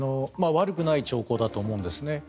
悪くない兆候だと思うんですね。